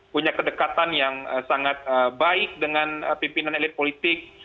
punya kedekatan yang sangat baik dengan pimpinan elit politik